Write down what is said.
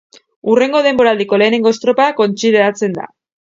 Hurrengo denboraldiko lehenengo estropada kontsideratzen da.